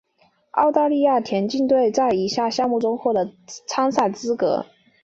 澳大利亚田径队在以下项目上获得参赛资格。